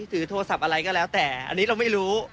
ถือโทรศัพท์อะไรก็แล้วแต่อันนี้เราไม่รู้